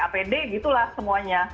apd gitu lah semuanya